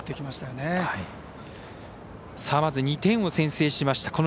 まず２点を先制しました。